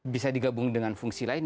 bisa digabung dengan fungsi lain